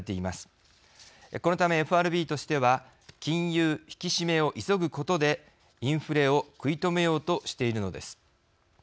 このためＦＲＢとしては金融引き締めを急ぐことでインフレを食い止めようとしているのです。